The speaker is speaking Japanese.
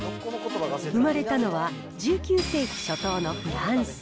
生まれたのは１９世紀初頭のフランス。